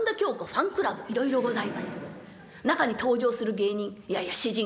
ファンクラブいろいろございまして中に登場する芸人いやいや詩人